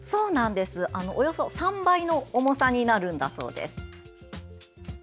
およそ３倍の重さになるんだそうです。